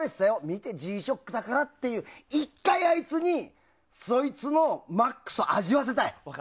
見て、ＧＳＨＯＣＫだからって１回あいつにそいつのマックスを味わせたい。